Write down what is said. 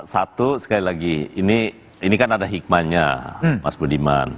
satu sekali lagi ini kan ada hikmahnya mas budiman